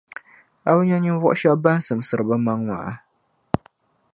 A bi nya ninvuɣu shεba ban simsiri bɛ maŋ’ maa.